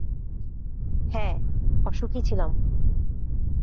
হ্যাঁ, অসুখী ছিলাম।